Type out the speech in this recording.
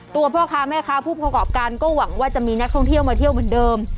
พ่อค้าแม่ค้าผู้ประกอบการก็หวังว่าจะมีนักท่องเที่ยวมาเที่ยวเหมือนเดิม